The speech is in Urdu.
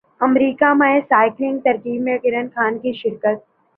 امریکہ میں سائیکلنگ تقریب میں کرن خان کی شرکت